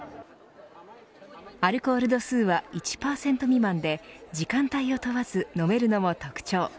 アルコール度数は１％未満で時間帯を問わず飲めるのも特徴。